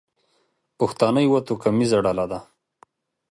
پښتانه یوه توکمیزه ډله ده.